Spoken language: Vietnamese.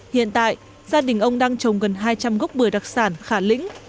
hiện tại gia đình ông đang trồng gần hai trăm linh gốc bưởi đặc sản khả lĩnh